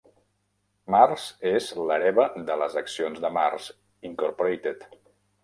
Mars és l'hereva de les accions de Mars, Incorporated.